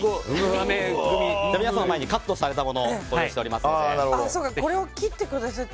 皆さんの前にはカットされたものをご用意しております。